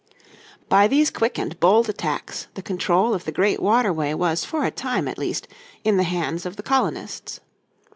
By these quick bold attacks the control of the great waterway was for a time at least in the hands of the colonists.